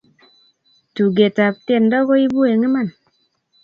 tuket ap tiendo koibu eng iman